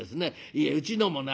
いえうちのもね